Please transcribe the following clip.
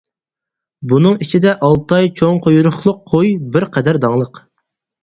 بۇنىڭ ئىچىدە ئالتاي چوڭ قۇيرۇقلۇق قوي بىر قەدەر داڭلىق.